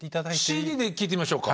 ＣＤで聴いてみましょうか。